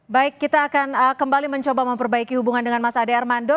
baik kita akan kembali mencoba memperbaiki hubungan dengan mas ade armando